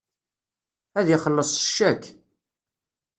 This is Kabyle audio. Ad ixelleṣ s ccak.